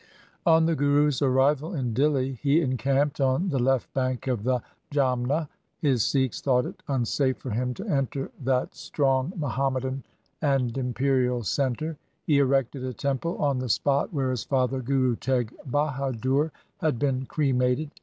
On the Guru's arrival in Dihli he encamped on the left bank of the Jamna. His Sikhs thought it unsafe for him to enter that strong Muhammadan and imperial centre. He erected a temple on the spot where his father Guru Teg Bahadur had been cremated.